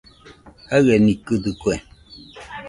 Jaienikɨdɨkue